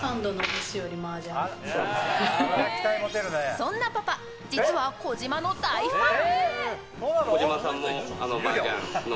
そんなパパ実は児嶋の大ファン。